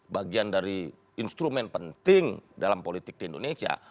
bagian dari instrumen penting dalam politik di indonesia